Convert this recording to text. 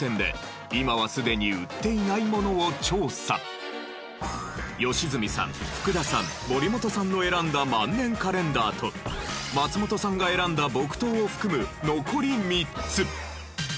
そして再び良純さん福田さん森本さんの選んだ万年カレンダーと松本さんが選んだ木刀を含む残り３つ。